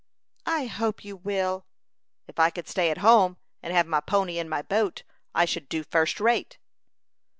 "I hope you will." "If I could stay at home, and have my pony and my boat, I should do first rate."